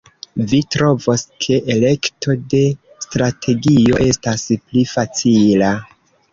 Vi trovos, ke elekto de strategio estas pli facila.